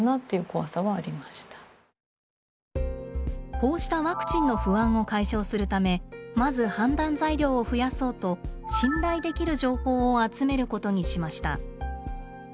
こうしたワクチンの不安を解消するためまず判断材料を増やそうと信頼できる情報を集めることにしました。